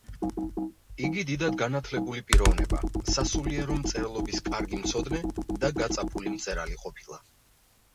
იგი დიდად განათლებული პიროვნება, სასულიერო მწერლობის კარგი მცოდნე და გაწაფული მწერალი ყოფილა.